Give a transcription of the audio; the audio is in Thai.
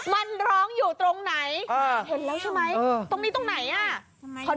มันร้องอยู่ตรงไหนรวมร้องข้างหนังนั้น